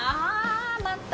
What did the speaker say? また！